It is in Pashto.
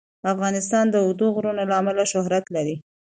افغانستان د اوږده غرونه له امله شهرت لري.